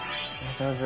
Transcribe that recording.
上手！